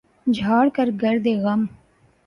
جھاڑ کر گرد غم